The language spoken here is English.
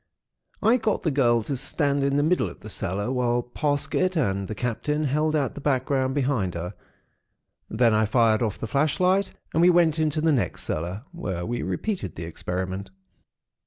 I got the girl to stand in the middle of the cellar, whilst Parsket and the Captain held out the background behind her. Then I fired off the flashlight, and we went into the next cellar, where we repeated the experiment.